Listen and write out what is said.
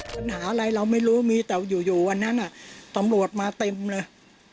ปัญหาอะไรเราไม่รู้มีแต่อยู่วันนั้นตำรวจมาเต็มเลย